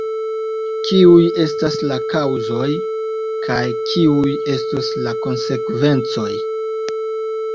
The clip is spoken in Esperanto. Kiuj estas la kaŭzoj kaj kiuj estos la konsekvencoj?